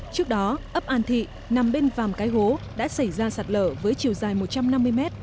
trước đó ấp an thị nằm bên vàm cái hố đã xảy ra sạt lở với chiều dài một trăm năm mươi mét